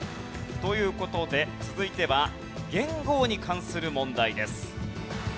という事で続いては元号に関する問題です。